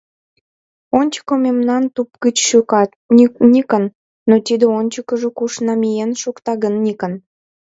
Ончыко мемнам туп гыч шӱкат, Никон, но тиде ончыкыжо куш намиен шукта гын, Никон?